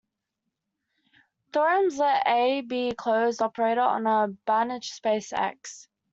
Theorem Let "A" be a closed operator on a Banach space "X".